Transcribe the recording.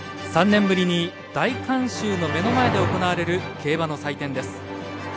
３年ぶりに大観衆の目の前で行われる競馬の祭典です。